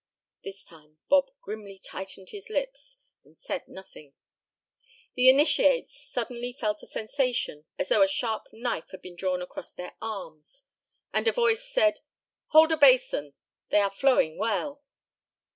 This time Bob grimly tightened his lips and said nothing. The initiates suddenly felt a sensation as though a sharp knife had been drawn across their arms, and a voice said: "Hold a basin. They are flowing well."